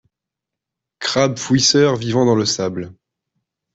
Crabe fouisseur, vivant dans le sable.